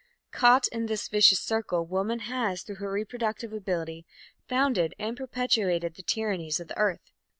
Caught in this "vicious circle," woman has, through her reproductive ability, founded and perpetuated the tyrannies of the Earth.